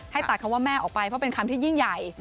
ตัดคำว่าแม่ออกไปเพราะเป็นคำที่ยิ่งใหญ่